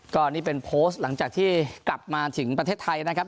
ก็นี่เป็นโพสต์หลังจากที่กลับมาถึงประเทศไทยนะครับ